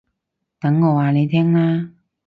等我話你聽啦